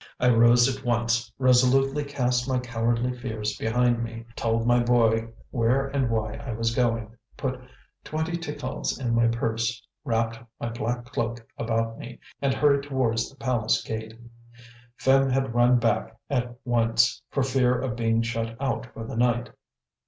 I rose at once, resolutely cast my cowardly fears behind me, told my boy where and why I was going, put twenty ticals in my purse, wrapped my black cloak about me, and hurried towards the palace gate. Phim had run back at once, for fear of being shut out for the night.